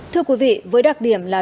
thưa quý vị với đặc điểm là